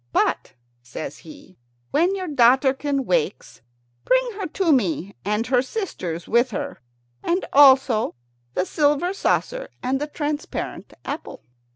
"But," says he, "when your daughterkin wakes, bring her to me, and her sisters with her, and also the silver saucer and the transparent apple."